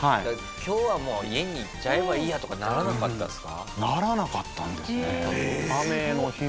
「今日はもう家にいちゃえばいいや」とかならなかったんですか？